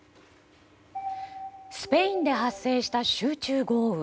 スペインで発生した集中豪雨。